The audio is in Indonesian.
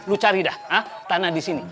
lo cari dah ha tanah di sini